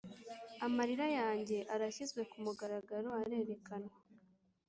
amarira yanjye arashyizwe kumugaragaro, arerekanwa.